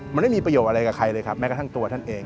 มันไม่มีประโยชน์อะไรกับใครเลยครับแม้กระทั่งตัวท่านเอง